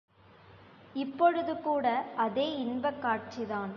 இப்பொழுதுகூட அதே இன்பக் காட்சிதான்!